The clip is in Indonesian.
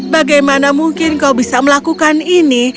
bagaimana mungkin kau bisa melakukan ini